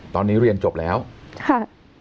ตอนนี้เรียนจบแล้วค่ะ